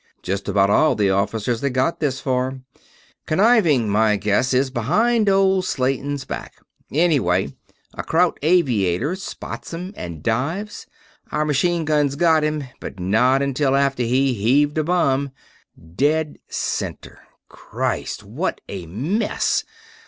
"Just about all the officers that got this far. Conniving, my guess is, behind old Slayton's back. Anyway, a kraut aviator spots 'em and dives. Our machine guns got him, but not until after he heaved a bomb. Dead center. Christ, what a mess!